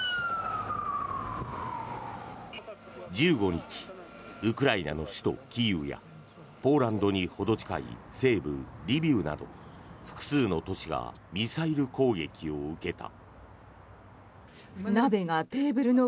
１５日ウクライナの首都キーウやポーランドにほど近い西部リビウなど複数の都市がミサイル攻撃を受けた。